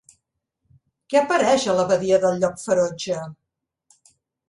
Què apareix a la Badia del Llop Ferotge?